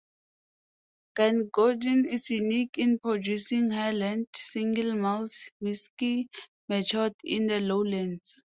Glengoyne is unique in producing Highland single malt whisky matured in the Lowlands.